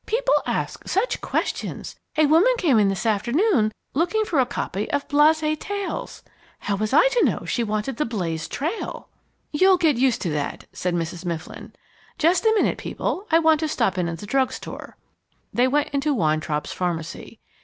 People ask such questions! A woman came in this afternoon looking for a copy of Blase Tales. How was I to know she wanted The Blazed Trail?" "You'll get used to that," said Mrs. Mifflin. "Just a minute, people, I want to stop in at the drug store." They went into Weintraub's pharmacy.